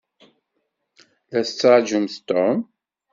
La tettṛaǧumt Tom?